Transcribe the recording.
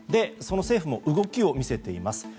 その政府も動きを見せています。